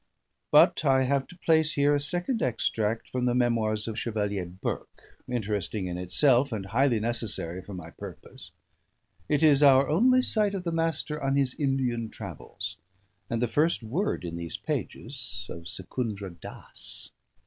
But I have to place here a second extract from the memoirs of Chevalier Burke, interesting in itself, and highly necessary for my purpose. It is our only sight of the Master on his Indian travels; and the first word in these pages of Secundra Dass.